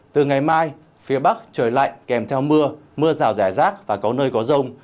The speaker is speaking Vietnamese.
từ ngày mai phía bắc trời lạnh kèm theo mưa mưa rào rải rác và có nơi có rông